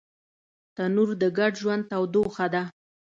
تنور د ګډ ژوند تودوخه ده